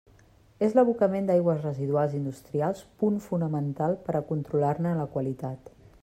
És l'abocament d'aigües residuals industrials punt fonamental per a controlar-ne la qualitat.